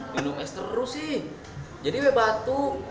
minum es terus sih jadi batu